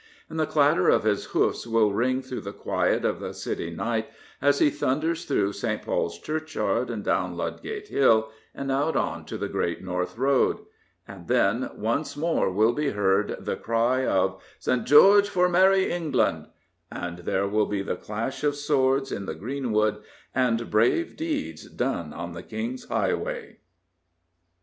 And the clatter of his hoofs will ring through the quiet of the city night as he thunders through St. Paul's Churchyard and down Ludgate Hill and out on to the Great North Road. And then once more will be heard the cry of " St. George for Merry England I " and there will be the clash of swords in the greenwood and brave deeds done on the King's highway.